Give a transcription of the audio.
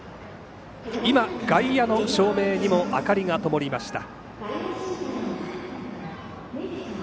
今、外野の照明にも明かりがともりました。